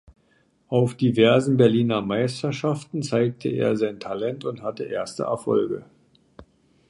Auf diversen Berliner Meisterschaften zeigte er sein Talent und hatte erste Erfolge.